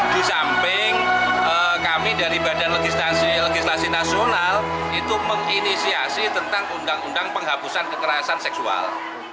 di samping kami dari badan legislasi nasional itu menginisiasi tentang undang undang penghapusan kekerasan seksual